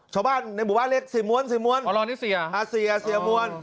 ชาวบ้านในหมู่บ้านเล็กเสียมวลเสียมวล